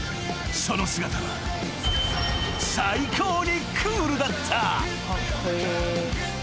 ［その姿は最高にクールだった］